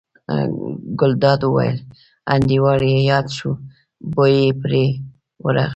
ګلداد وویل: انډیوال یې یاد شو، بوی یې پرې ورغی.